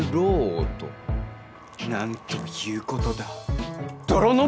なんということだ。